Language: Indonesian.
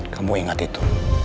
kamu ingat itu